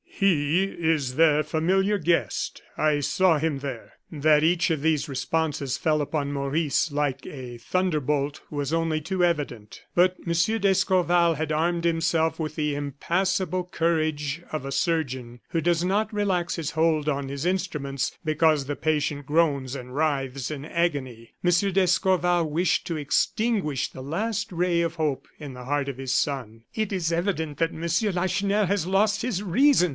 "He is their familiar guest. I saw him there." That each of these responses fell upon Maurice like a thunder bolt was only too evident. But M. d'Escorval had armed himself with the impassable courage of a surgeon who does not relax his hold on his instruments because the patient groans and writhes in agony. M. d'Escorval wished to extinguish the last ray of hope in the heart of his son. "It is evident that Monsieur Lacheneur has lost his reason!"